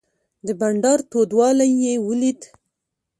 د بانډار تودوالی یې ولید.